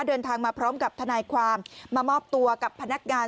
เดินทางมาพร้อมกับทนายความมามอบตัวกับพนักงาน